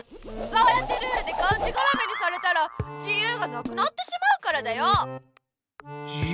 そうやってルールでがんじがらめにされたらじゆうがなくなってしまうからだよ！